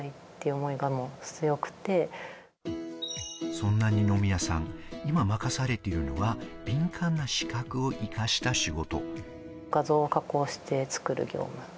そんな二宮さん、今、任されているのは敏感な視覚を生かした仕事。